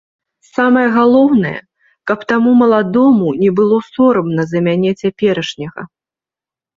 Самае галоўнае, каб таму маладому не было сорамна за мяне цяперашняга.